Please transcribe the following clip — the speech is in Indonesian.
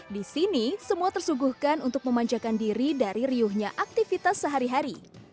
di sini semua tersuguhkan untuk memanjakan diri dari riuhnya aktivitas sehari hari